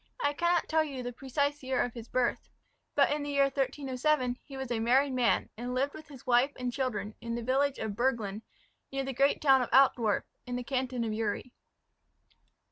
I cannot tell you the precise year of his birth; but in the year 1307 he was a married man, and lived with his wife and children, in the village of Burglen, near the great town of Altdorf, in the canton of Uri.